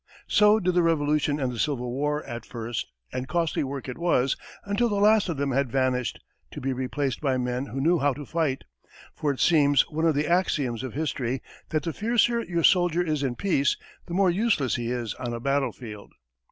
So did the Revolution and the Civil War, at first, and costly work it was until the last of them had vanished, to be replaced by men who knew how to fight; for it seems one of the axioms of history that the fiercer your soldier is in peace, the more useless he is on a battlefield.